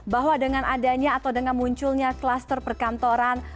bahwa dengan adanya atau dengan munculnya kluster perkantoran